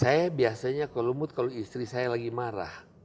saya biasanya kalau mood kalau istri saya lagi marah